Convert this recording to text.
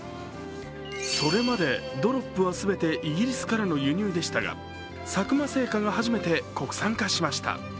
それまでドロップは全てイギリスからの輸入でしたが佐久間製菓が初めて国産化しました。